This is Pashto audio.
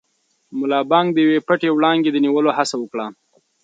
ملا بانګ د یوې پټې وړانګې د نیولو هڅه وکړه.